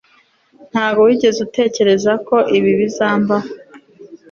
ntabwo wigeze utekereza ko ibi bizambaho